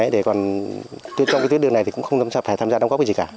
đấy còn trong cái tuyến đường này thì cũng không phải tham gia đóng góp gì cả